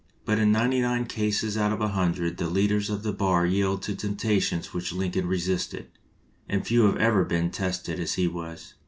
But in ninety nine cases out of a hun dred the leaders of the bar yield to temptations which Lincoln resisted, and few have ever been tested as he was.